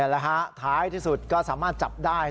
แล้วฮะท้ายที่สุดก็สามารถจับได้